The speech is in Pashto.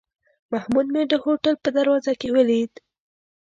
محمود مې د هوټل په دروازه کې ولید.